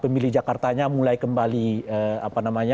pemilih jakartanya mulai kembali apa namanya